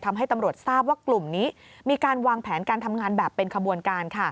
ทำให้ตำรวจทราบว่ากลุ่มนี้มีการวางแผนการทำงานแบบเป็นขบวนการ